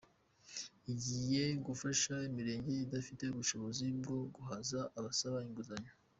Igiye gufasha imirenge idafite ubushobozi bwo guhaza abasaba inguzanyo